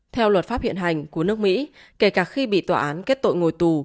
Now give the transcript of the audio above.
theo luật pháp hiện hành của nước mỹ kể cả khi bị tòa án kết tội ngồi tù